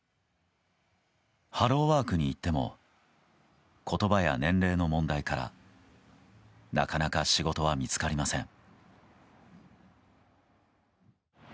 ハローワークに行っても言葉や年齢の問題からなかなか仕事は見つかりません。